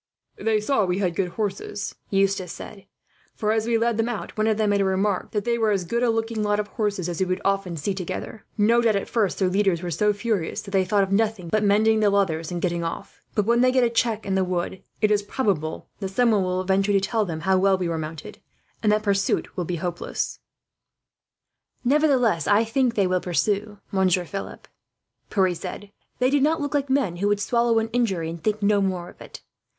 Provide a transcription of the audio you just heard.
"They saw we had good horses," Eustace said; "for as we led them out, one of them made the remark that they were as good looking a lot of horses as you would often see together. No doubt, at first, their leaders were so furious that they thought of nothing but mending the leathers and getting off; but when they get a check, in the wood, it is probable that someone will venture to tell them how well we are mounted, and that pursuit will be hopeless." "Nevertheless, I think they will pursue, Monsieur Philip," Pierre said. "They did not look like men who would swallow an injury, and think no more of it.